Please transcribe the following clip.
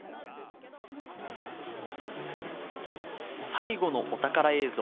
最後のお宝映像。